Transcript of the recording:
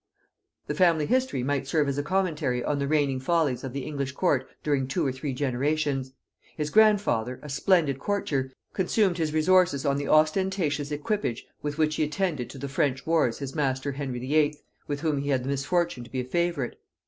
The family history might serve as a commentary on the reigning follies of the English court during two or three generations. His grandfather, a splendid courtier, consumed his resources on the ostentatious equipage with which he attended to the French wars his master Henry VIII. with whom he had the misfortune to be a favorite.